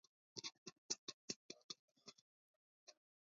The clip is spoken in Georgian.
ჩემო კარგო ქვეყანავ, რაზედ მოგიწყენია! აწმყო თუ არა გვწყალობს, მომავალი ჩვენია